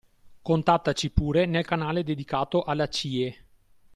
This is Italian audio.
Contattaci pure nel canale dedicato alla CIE.